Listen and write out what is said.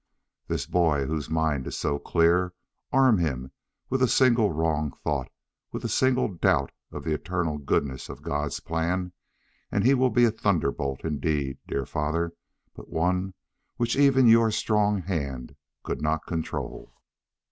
This boy whose mind is so clear arm him with a single wrong thought, with a single doubt of the eternal goodness of God's plans, and he will be a thunderbolt indeed, dear Father, but one which even your strong hand could not control."